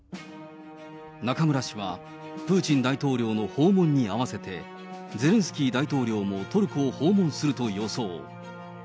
中村氏はプーチン大統領の訪問に合わせて、ゼレンスキー大統領もトルコを訪問すると予想。